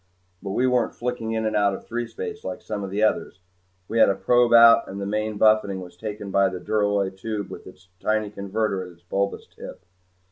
But we weren't flicking in and out of threespace like some of the others. We had a probe out and the main buffeting was taken by the duralloy tube with its tiny converter at its bulbous tip.